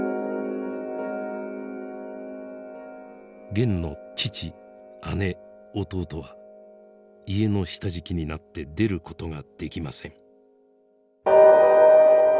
ゲンの父姉弟は家の下敷きになって出ることができません。